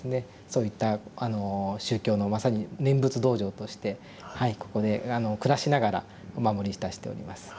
そういったあの宗教のまさに念仏道場としてはいここで暮らしながらお守りいたしております。